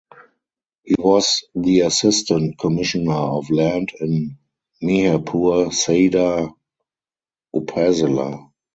He was the assistant commissioner of Land in Meherpur Sadar Upazila.